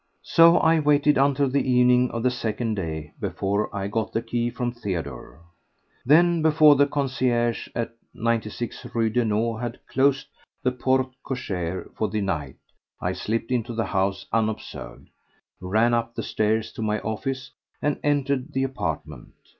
So I waited until the evening of the second day before I got the key from Theodore. Then before the concierge at 96 Rue Daunou had closed the porte cochere for the night, I slipped into the house unobserved, ran up the stairs to my office and entered the apartment.